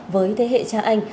với thế hệ cha anh